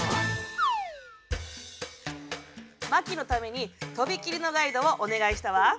麻貴のためにとびきりのガイドをお願いしたわ。